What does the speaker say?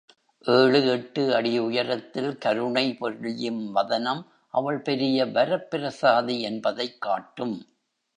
ஏழு எட்டு அடி உயரத்தில் கருணை பொழியும் வதனம், அவள் பெரிய வரப்பிரசாதி என்பதைக்காட்டும்.